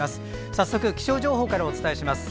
早速、気象情報からお伝えします。